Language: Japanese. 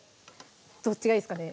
どっちがいいですかね